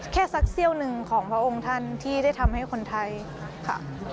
แค่สักเซี่ยวหนึ่งของพระองค์ท่านที่ได้ทำให้คนไทยค่ะ